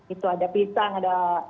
itu ada pisang ada